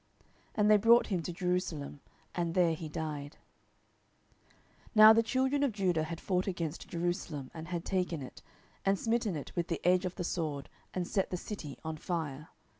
And they brought him to Jerusalem, and there he died. 07:001:008 Now the children of Judah had fought against Jerusalem, and had taken it, and smitten it with the edge of the sword, and set the city on fire.